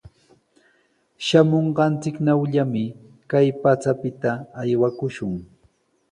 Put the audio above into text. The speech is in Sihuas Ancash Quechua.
Shamunqanchiknawllami kay pachapita aywakushun.